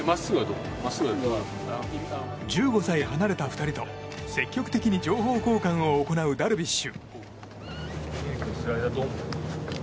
１５歳離れた２人と、積極的に情報交換を行うダルビッシュ。